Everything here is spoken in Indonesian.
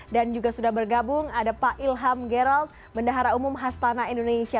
dan juga sudah bergabung ada pak ilham geralt bendahara umum hastana indonesia